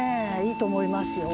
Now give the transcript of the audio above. いいと思いますよ。